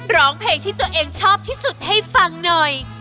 ร้องเพลงที่ตัวเองชอบที่สุดให้ฟังหน่อย